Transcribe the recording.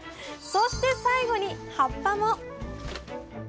そして最後に葉っぱも。